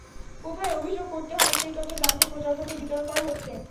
কোথায় অভিযোগ করতে হবে, সেই তথ্য জানাতে প্রচারপত্র বিতরণ করা হচ্ছে।